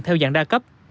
theo dạng đa cấp